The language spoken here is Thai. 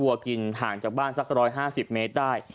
วัวกินห่างจากบ้านสัก๑๕๐เมตรได้